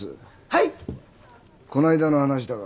はい。